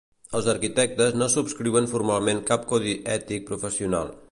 Els arquitectes no subscriuen formalment cap codi ètic professional.